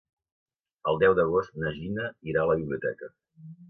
El deu d'agost na Gina irà a la biblioteca.